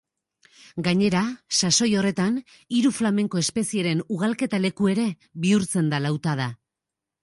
Gainera, sasoi horretan hiru flamenko-espezieren ugalketa-leku ere bihurtzen da lautada.